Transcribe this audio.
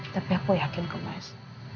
tapi aku yakin kemas